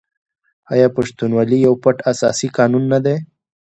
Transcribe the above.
آیا پښتونولي یو پټ اساسي قانون نه دی؟